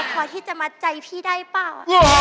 ยาวพอทธิจะมาใจพี่ได้เปล่า